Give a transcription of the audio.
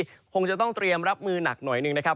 คงจะต้องเตรียมรับมือหนักหน่อยหนึ่งนะครับ